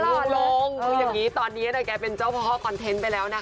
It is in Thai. ลงคืออย่างนี้ตอนนี้แกเป็นเจ้าพ่อคอนเทนต์ไปแล้วนะคะ